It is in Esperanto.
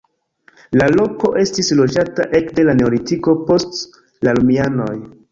La loko estis loĝata ekde la neolitiko post la romianoj.